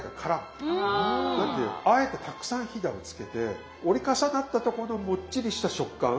なんであえてたくさんひだをつけて折り重なったとこのもっちりした食感。